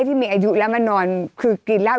ก็หมายก่อนนะอยู่กันยาว